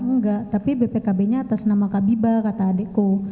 enggak tapi bpkb nya atas nama kak biba kata adikku